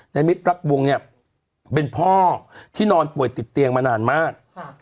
มิตรรักวงเนี่ยเป็นพ่อที่นอนป่วยติดเตียงมานานมาก